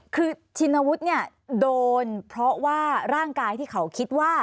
คือชินวุฒิเนี่ยโดนเพราะว่าร่างกายที่เขาคิดว่า